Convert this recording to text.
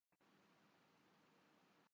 معصوم جانوں کا یا پھرحرمت دین کا؟